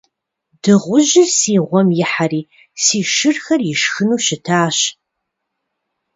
Дыгъужьыр си гъуэм ихьэри си шырхэр ишхыну щытащ!